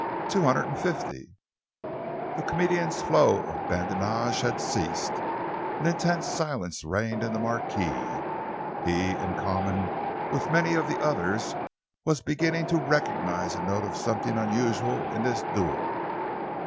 "Two hundred and fifty." The comedian's flow of badinage had ceased. An intense silence reigned in the marquee. He, in common with many of the others, was beginning to recognise a note of something unusual in this duel.